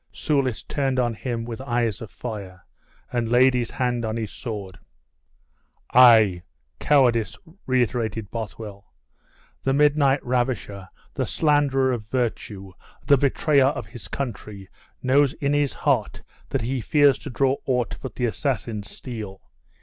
Soulis turned on him with eyes of fire, and laid his hand on his sword. "Ay, cowardice!" reiterated Bothwell; "the midnight ravisher, the slanderer of virtue, the betrayer of his country, knows in his heart that he fears to draw aught but the assassin's steel.